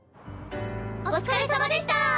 お疲れさまでした！